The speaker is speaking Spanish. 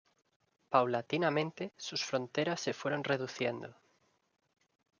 Paulatinamente sus fronteras se fueron reduciendo.